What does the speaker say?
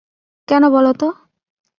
কেন বল তো?